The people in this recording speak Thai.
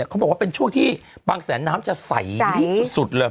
เขาบอกว่าเป็นช่วงที่บางแสนน้ำจะใสสุดเลย